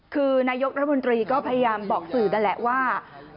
คือนายกรัฐมนตรีก็พยายามบอกสื่อนั่นแหละว่า